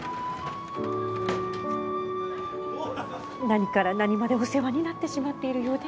何から何までお世話になってしまっているようで。